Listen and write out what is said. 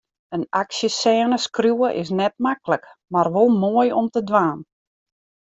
In aksjesêne skriuwe is net maklik, mar wol moai om te dwaan.